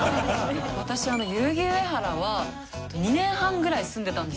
私代々木上原は２年半くらい住んでたんです。